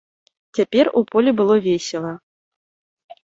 Цяпер у полі было весела.